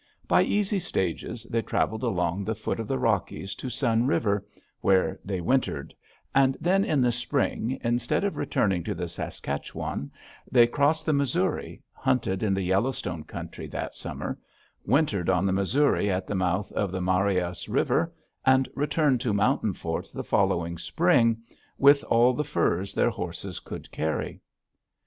By easy stages they traveled along the foot of the Rockies to Sun River, where they wintered, and then in the spring, instead of returning to the Saskatchewan, they crossed the Missouri, hunted in the Yellowstone country that summer, wintered on the Missouri at the mouth of the Marias River, and returned to Mountain Fort the following spring with all the furs their horses could carry.